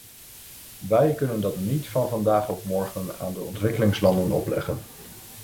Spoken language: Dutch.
Wij kunnen dat niet van vandaag op morgen aan de ontwikkelingslanden opleggen.